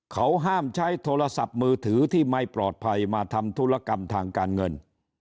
เขาห้ามใช้โทรศัพท์มือถือที่ไม่ปลอดภัยมาทำธุรกรรมทางการเงิน